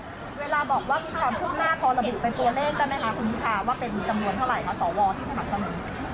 เวลาบอกว่าคุณค่ะพวกหน้าพอระบุไปปัวเล่นกันไหมคะคุณวิทยาว่าเป็นจำนวนเท่าไหร่ต่อวอที่ถักกัน